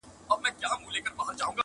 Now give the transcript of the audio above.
o اوبه د سر د خوا خړېږي٫